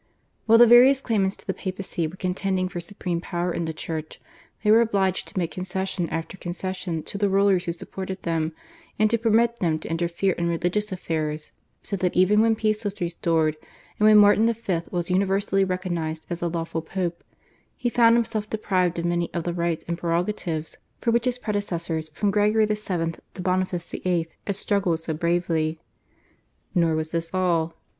While the various claimants to the Papacy were contending for supreme power in the Church, they were obliged to make concession after concession to the rulers who supported them and to permit them to interfere in religious affairs, so that even when peace was restored and when Martin V. was universally recognised as the lawful Pope, he found himself deprived of many of the rights and prerogatives, for which his predecessors from Gregory VII. to Boniface VIII. had struggled so bravely. Nor was this all.